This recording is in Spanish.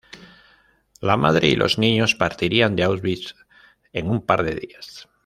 La madre y los niños partirían de Auschwitz en un par de días.